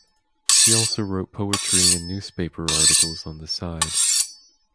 He also wrote poetry and newspaper articles on the side.